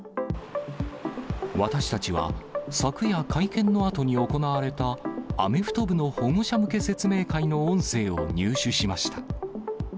私たちは、昨夜会見のあとに行われたアメフト部の保護者向け説明会の音声を入手しました。